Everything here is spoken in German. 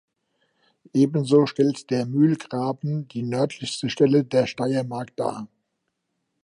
Ebenso stellt der Mühlgraben die nördlichste Stelle der Steiermark dar.